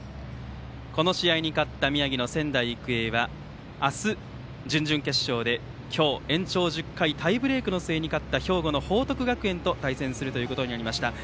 この試合に勝った宮城の仙台育英は明日準々決勝で今日延長１０回タイブレークの末に勝った兵庫の報徳学園と対戦することになりました。